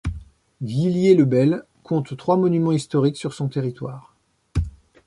Villiers-le-Bel compte trois monuments historiques sur son territoire.